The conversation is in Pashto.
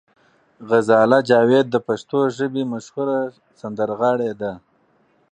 غزاله جاوید د پښتو ژبې مشهوره سندرغاړې ده.